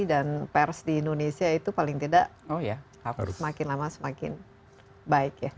dan pers di indonesia itu paling tidak semakin lama semakin baik ya